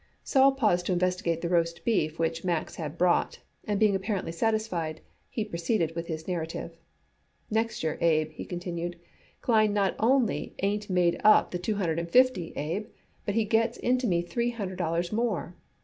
Sol paused to investigate the roast beef which Max had brought, and being apparently satisfied, he proceeded with his narrative. "Next year, Abe," he continued, "Klein not only ain't made up the two hundred and fifty, Abe, but he gets into me three hundred dollars more.